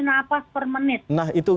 nafas per menit nah itu